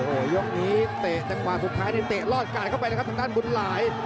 โอ้โหยกนี้เตะจังหวะสุดท้ายนี่เตะลอดกาดเข้าไปนะครับทางด้านบุญหลาย